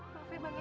sampai nanti ya